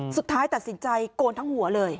สุดท้ายตัดสินใจโกนทั้งหัวเลย